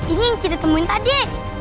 ini yang kita temuin tadi